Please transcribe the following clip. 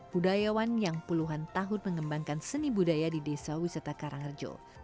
budayawan yang puluhan tahun mengembangkan seni budaya di desa wisata karangrejo